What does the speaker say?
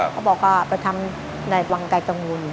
เขาบอกว่าไปทำในวังไกลกังวล